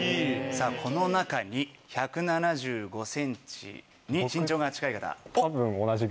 さぁこの中に１７５ｃｍに身長が近い方。